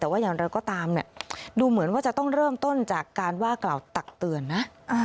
แต่ว่าอย่างไรก็ตามเนี่ยดูเหมือนว่าจะต้องเริ่มต้นจากการว่ากล่าวตักเตือนนะ